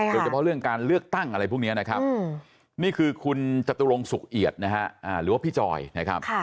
โดยเฉพาะเรื่องการเลือกตั้งอะไรพวกนี้นะครับนี่คือคุณจตุรงสุขเอียดนะฮะหรือว่าพี่จอยนะครับ